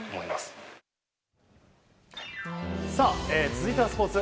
続いてはスポーツ。